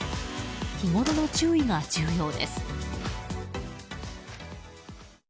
日ごろの注意が重要です。